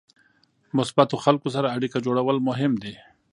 مثبتو خلکو سره اړیکه جوړول مهم دي.